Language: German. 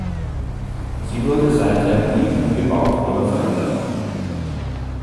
Sie wurde seither nie umgebaut oder verändert.